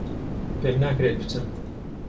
پێم ناکرێت بچم